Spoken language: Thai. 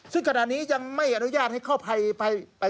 ซึ่งขณะนี้ยังไม่อนุญาตให้เข้าไป